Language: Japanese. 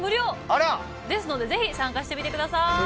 あら！ですのでぜひ参加してみてください！